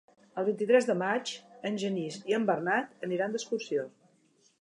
El vint-i-tres de maig en Genís i en Bernat aniran d'excursió.